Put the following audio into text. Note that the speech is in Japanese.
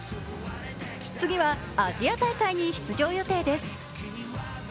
次はアジア大会に出場予定です。